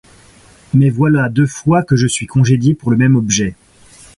Mais voilà deux fois que je suis congédié pour le même objet.